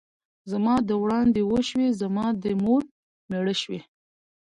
ـ زما دې وړاندې وشوې ، زما دې مور مېړه شوې.